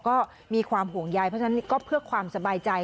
ก็มีความห่วงใยเพราะฉะนั้นก็เพื่อความสบายใจ